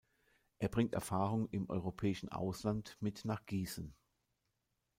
Er bringt Erfahrung im europäischen Ausland mit nach Gießen.